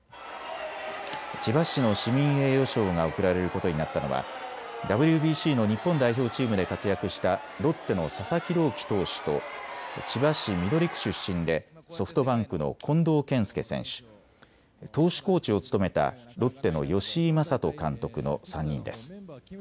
千葉市の市民栄誉賞が贈られることになったのはＷＢＣの日本代表チームで活躍したロッテの佐々木朗希投手と千葉市緑区出身でソフトバンクの近藤健介選手、投手コーチを務めたロッテの吉井理人監督の３人です。